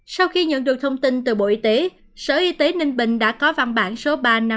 sau khi nhận được thông tin từ bộ y tế sở y tế ninh bình đã có văn bản số ba nghìn năm trăm năm mươi bảy